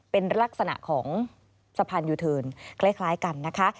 เป็นลักษณะของสะพานยูเทิร์นคล้ายกันนะคะ